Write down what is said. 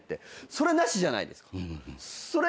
それなしじゃないですか。